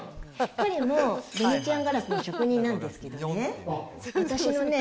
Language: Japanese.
彼もヴェネツィアンガラスの職人なんですけどね。